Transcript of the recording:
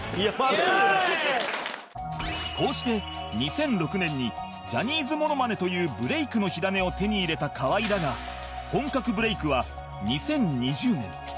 こうして２００６年にジャニーズモノマネというブレイクの火種を手に入れた河合だが本格ブレイクは２０２０年